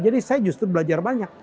jadi saya justru belajar banyak